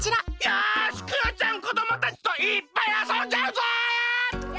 よしクヨちゃんこどもたちといっぱいあそんじゃうぞ！